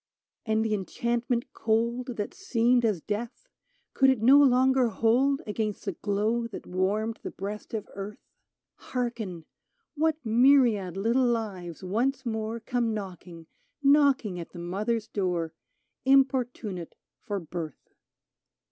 And the enchantment cold That seemed as death ? Could it no longer hold Against the glow that warmed the breast of Earth ? 133 VITANUOVA Hearken ! what myriad little lives once more Come knocking, knocking at the Mother's door, Importunate for birth